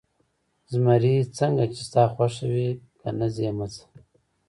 زمري: څنګه چې ستا خوښه وي، که نه ځې، مه ځه.